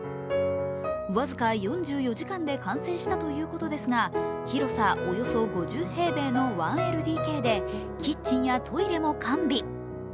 僅か４４時間で完成したということですが、広さおよそ５０平米の１ＬＤＫでキッチンやトイレも完備。